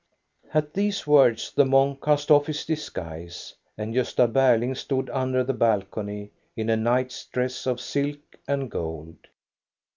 At these words the monk cast off his disguise, and Gosta Berling stood under the balcony in a knighfs dress of silk and gold.